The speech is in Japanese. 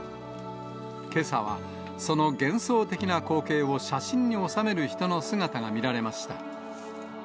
けさは、その幻想的な光景を写真に収める人の姿が見られました。